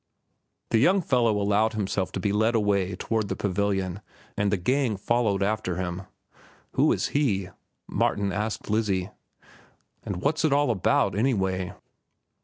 The young fellow allowed himself to be led away toward the pavilion, and the gang followed after him. "Who is he?" Martin asked Lizzie. "And what's it all about, anyway?"